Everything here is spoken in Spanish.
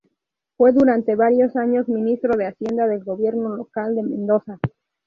Fue durante varios años ministro de hacienda del gobierno local de Mendoza.